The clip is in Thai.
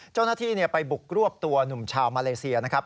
เจ้าหน้าที่ไปบุกรวบตัวหนุ่มชาวมาเลเซียนะครับ